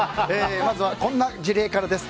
まずはこんな事例からです。